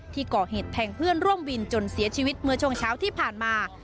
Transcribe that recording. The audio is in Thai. ก่อเหตุแทงเพื่อนร่วมวินจนเสียชีวิตเมื่อช่วงเช้าที่ผ่านมา